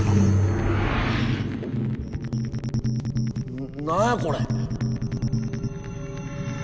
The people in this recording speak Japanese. な何やこれ！